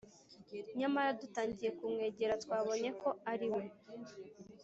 nyamara dutangiye kumwegera twabonye ko ariwe